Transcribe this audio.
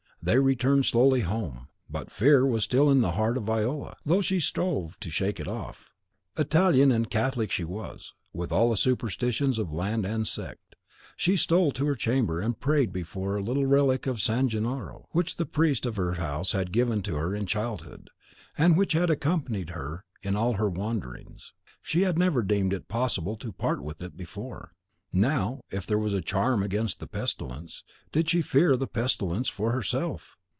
They returned slowly home; but fear still was in the heart of Viola, though she strove to shake it off. Italian and Catholic she was, with all the superstitions of land and sect. She stole to her chamber and prayed before a little relic of San Gennaro, which the priest of her house had given to her in childhood, and which had accompanied her in all her wanderings. She had never deemed it possible to part with it before. Now, if there was a charm against the pestilence, did she fear the pestilence for herself?